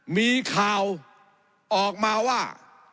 มีข่าวออกมาว่า